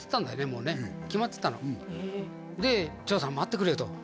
もうね決まってたので「長さん待ってくれ」と